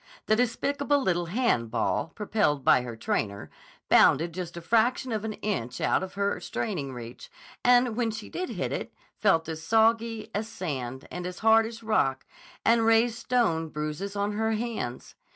The despicable little hand ball, propelled by her trainer, bounded just a fraction of an inch out of her straining reach, and when she did hit it, felt as soggy as sand and as hard as rock and raised stone bruises on her hands.